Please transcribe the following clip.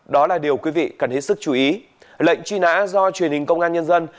đó là điều quý vị cần hết sức chú ý lệnh truy nã do truyền hình công an nhân dân